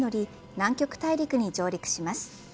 南極大陸に上陸します。